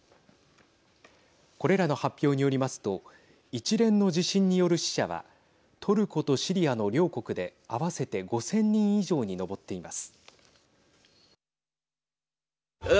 これらの発表によりますと一連の地震による死者はトルコとシリアの両国で合わせて５０００人以上に上っています。